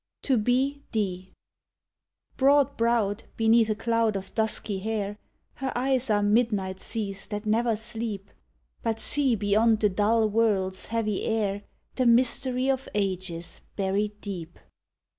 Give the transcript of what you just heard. TO B. D. Broad browed beneath a cloud of dusky hair Her eyes are midnight seas that never sleep But see beyond the dull world's heavy air The mystery of ages buried deep.